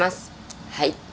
はい。